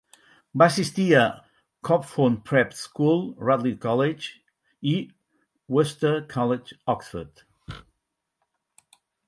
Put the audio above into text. Va assistir a Copthorne Prep School, Radley College i Worcester College, Oxford.